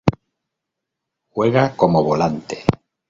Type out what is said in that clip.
Juega como Volante.